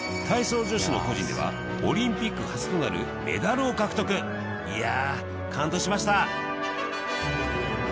体操女子の個人ではオリンピック初となるメダルを獲得いや感動しました！